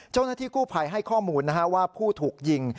เจ้าหน้าที่กู้ภัยให้ข้อมูลว่าผู้ถูกยิง